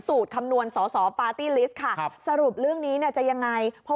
ขิ้วขมวดกันหน่อย